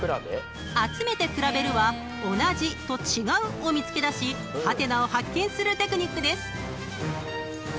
［集めて比べるは同じと違うを見つけ出しハテナを発見するテクニックです］